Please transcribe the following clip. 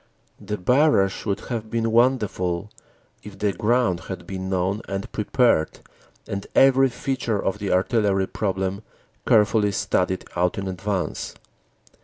The barrage would have been wonderful if the ground had been known and prepared and every feature of the artillery problem carefully studied out in advance.